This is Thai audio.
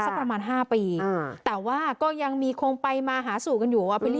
สักประมาณห้าปีอ่าแต่ว่าก็ยังมีคงไปมาหาสู่กันอยู่อ่ะ